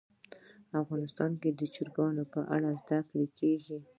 افغانستان کې د چرګان په اړه زده کړه کېږي.